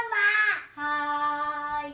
はい。